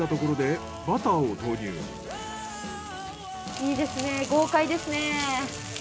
いいですね豪快ですね。